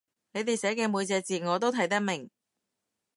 你哋寫嘅每隻字我都睇得明